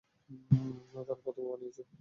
তারা প্রথমে বানিয়েছে।